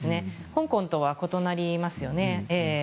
香港とは異なりますよね。